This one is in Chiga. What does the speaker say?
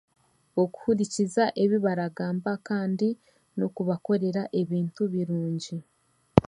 Okuhurikiza ebi baragamba kandi n'okubakorera ebintu birungi.